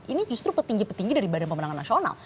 ini justru petinggi petinggi dari badan pemenangan nasional